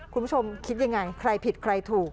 คุณผู้ชมคิดยังไงใครผิดใครถูก